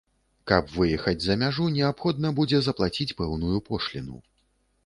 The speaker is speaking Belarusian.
Каб выехаць за мяжу, неабходна будзе заплаціць пэўную пошліну.